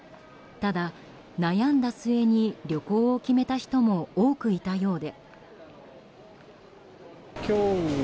ただ、悩んだ末に旅行を決めた人も多くいたようで。